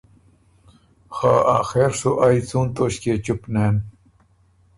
خه آخېر سُو ائ څُون توݭکيې چُپ نېن؟